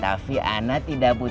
tapi ana tidak butuh